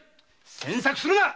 詮索するな！